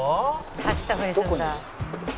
「走ったふりするんだ」